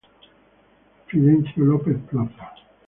Fidencio Lopez Plaza.